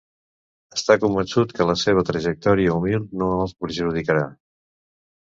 Està convençut que la seva trajectòria humil no el perjudicarà.